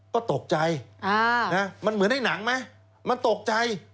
ก็ตกใจมันเหมือนในหนังไหมมันตกใจ